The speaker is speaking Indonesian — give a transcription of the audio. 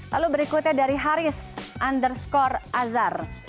lalu berikutnya dari haris underscore azhar